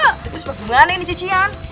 terus berapa ganda ini cucian